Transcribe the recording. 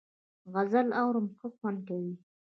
غزل اورم ښه خوند کوي .